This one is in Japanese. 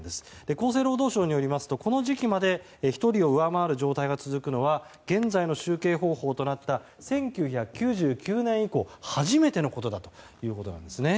厚生労働省によりますとこの時期まで１人を上回る状態が続くのは現在の集計方法となった１９９９年以降初めてのことだというんですね。